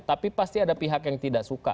tapi pasti ada pihak yang tidak suka